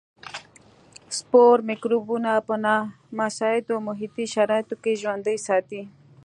سپور مکروبونه په نامساعدو محیطي شرایطو کې ژوندي ساتي.